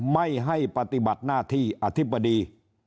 ไม่ให้ปฏิบัติหน้าที่อธิบดี